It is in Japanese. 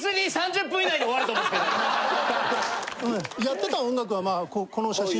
あのねやってた音楽はまあこの写真。